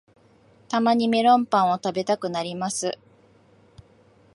たまにメロンパンを食べたくなります